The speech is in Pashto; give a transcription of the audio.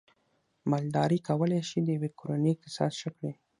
مالداري کولای شي د یوې کورنۍ اقتصاد ښه کړي